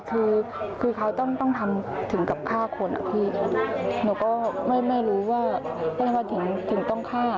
คือเขาต้องทำถึงกับฆ่าคนหนูก็ไม่รู้ว่าถึงต้องฆ่า